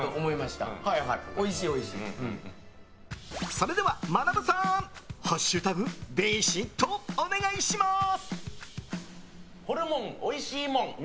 それでは、まなぶさんハッシュタグビシッとお願いします！